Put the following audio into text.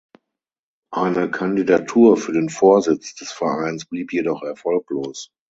Eine Kandidatur für den Vorsitz des Vereins blieb jedoch erfolglos.